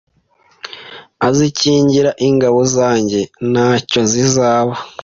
Azakingira ingabo zanjye ntacyo zizaba